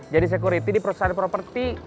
jadi security di perusahaan properti